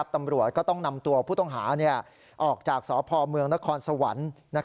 ตำรวจก็ต้องนำตัวผู้ต้องหาออกจากสพเมืองนครสวรรค์